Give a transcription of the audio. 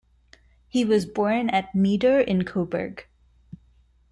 He was born at Meeder in Coburg.